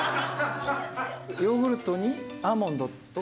ヨーグルトにアーモンドと？